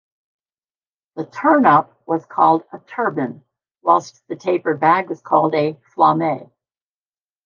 The turn-up was called a "turban", whilst the tapered bag was called a "flamme".